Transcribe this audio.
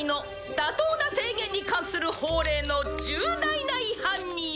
「妥当な制限に関する法令の重大な違反により」